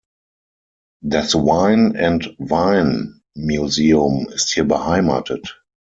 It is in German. Das Wine and Vine Museum ist hier beheimatet.